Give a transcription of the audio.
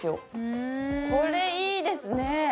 これいいですね！